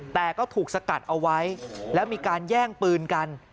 แต่ก็ถูกสกัดเอาไว้แล้วมีการแย่งปืนกัน